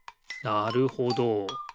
なるほど。